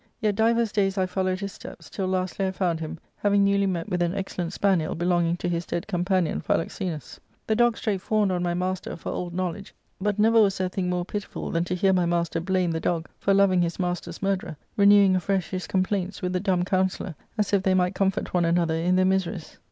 Yet divers days I followed his steps, till lastly I found him, having newly met with an excellent spaniel be longing to his dead companioa Ehiloxenus. The dog straight fawned on my master for old Jmowledge, but never was there thing more pitiful than to hear my master blame the dog for loving his niaster's murderer, renewing afresh his complaints with the dumb counsellor as if they might comfort one another in their miseries.